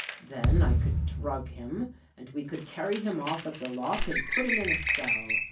Then I could drug him and we could carry him off at the lock and put him in a cell.